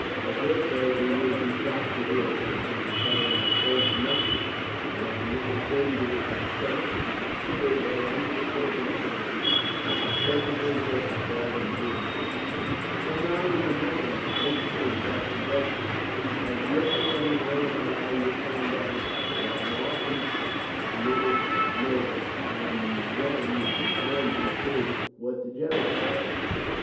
I daresay he will be shocked to hear that I have been carrying a French musket, but I am not ashamed of it myself, and consider that under the circumstances I was perfectly justified in doing so. Come round in the morning the first thing after breakfast. I have yet to learn all about how you found out that Markham committed that murder, and then you can tell me, too, what the general says."